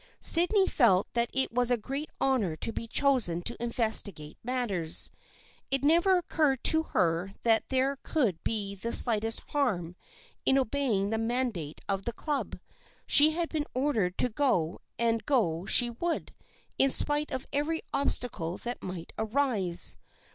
Sydney felt that it was a great honor to be chosen to investigate matters. It never occurred to her that there could be the slightest harm in obeying the mandate of the Club. She had been ordered to go and go she would, in spite of every obstacle that might arise.